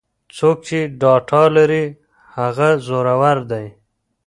څوک چې ډاټا لري هغه زورور دی.